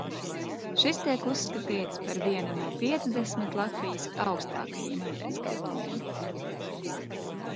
Šis tiek uzskatīts par vienu no piecdesmit Latvijas augstākajiem ūdenskritumiem.